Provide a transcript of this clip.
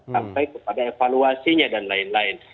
sampai kepada evaluasinya dan lain lain